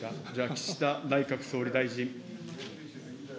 岸田内閣総理大臣。